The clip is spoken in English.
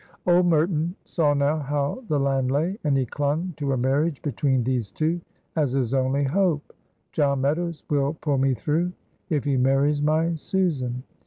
Old Merton saw now how the land lay, and he clung to a marriage between these two as his only hope. "John Meadows will pull me through, if he marries my Susan."